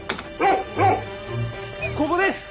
ここです！